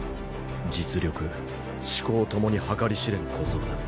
実力思考共に計り知れん小僧だ。